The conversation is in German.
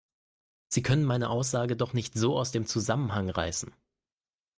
Sie können meine Aussage doch nicht so aus dem Zusammenhang reißen!